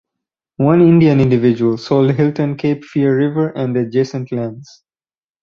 One Indian individual sold Hilton Cape Fear river and adjacent lands.